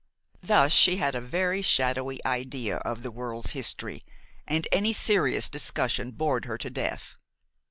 Thus she had a very shadowy idea of the world's history, and any serious discussion bored her to death.